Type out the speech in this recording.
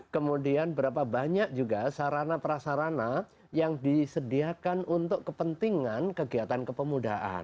kemudian berapa banyak juga sarana prasarana yang disediakan untuk kepentingan kegiatan kepemudaan